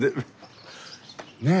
ねえ。